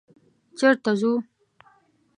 _چېرته ځو؟